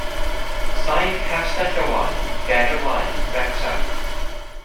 Saif Castell y Waun ger y Waun, Wrecsam.